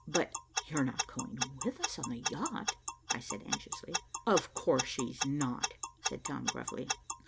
"But you're not going with us on the yacht?" I said anxiously. "Of course she's not," said Tom gruffly.